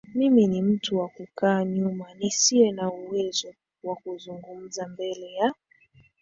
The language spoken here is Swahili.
mimi ni mtu wa kukaa nyuma nisiye na uwezo wa kuzungumza mbele ya